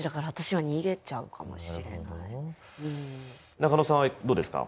中野さんはどうですか？